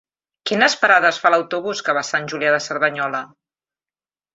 Quines parades fa l'autobús que va a Sant Julià de Cerdanyola?